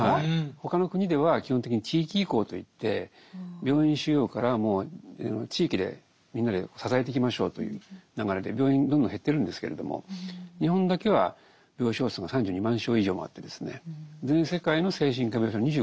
他の国では基本的に地域移行といって病院収容からもう地域でみんなで支えていきましょうという流れで病院どんどん減ってるんですけれども日本だけは病床数が３２万床以上もあってですね。